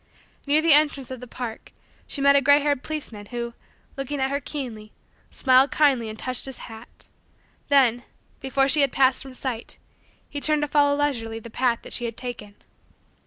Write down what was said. Near the entrance of the park, she met a gray haired policeman who, looking at her keenly, smiled kindly and touched his hat; then, before she had passed from sight, he turned to follow leisurely the path that she had taken.